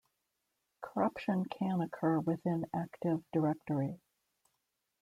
Corruption can occur within Active Directory.